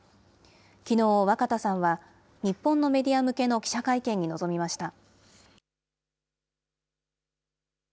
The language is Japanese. きのう、若田さんは日本のメディア向けの記者会見に臨みました。